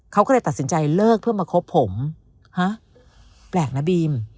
เขาก็เลยตัดสินใจเลิกเพื่อมาคบผมฮะแปลกนะบีม